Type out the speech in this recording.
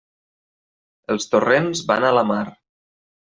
Els torrents van a la mar.